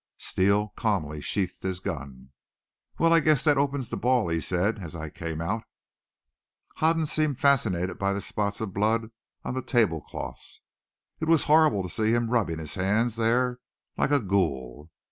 Steele calmly sheathed his gun. "Well, I guess that opens the ball," he said as I came out. Hoden seemed fascinated by the spots of blood on the table cloths. It was horrible to see him rubbing his hands there like a ghoul!